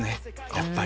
やっぱり。